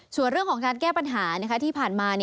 ส่วนเรื่องของการแก้ปัญหาที่ผ่านมา